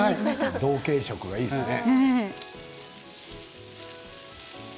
同系色、いいですね。